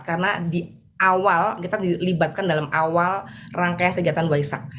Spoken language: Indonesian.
karena di awal kita dilibatkan dalam awal rangkaian kegiatan waisak